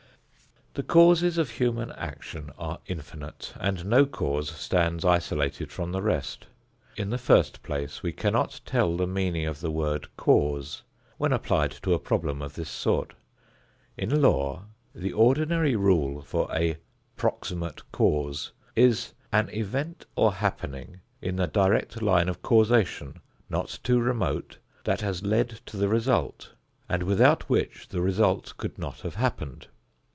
The causes of human action are infinite, and no cause stands isolated from the rest. In the first place we cannot tell the meaning of the word "cause" when applied to a problem of this sort. In law the ordinary rule for a "proximate cause" is "an event or happening in the direct line of causation, not too remote, that has led to the result, and without which the result could not have happened."